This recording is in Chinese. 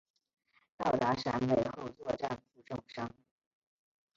到达陕北后作战负重伤。